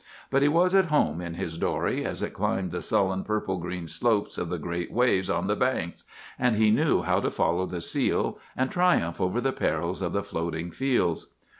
But he was at home in his dory as it climbed the sullen purple green slopes of the great waves on 'the Banks,' and he knew how to follow the seal, and triumph over the perils of the Floating Fields.